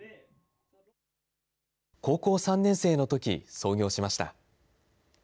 高校３年生のとき創業しました。